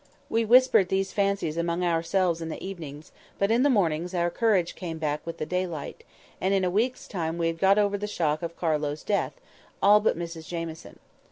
We whispered these fancies among ourselves in the evenings; but in the mornings our courage came back with the daylight, and in a week's time we had got over the shock of Carlo's death; all but Mrs Jamieson.